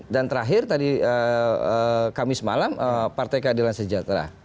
dan terakhir tadi kamis malam partai keadilan sejahtera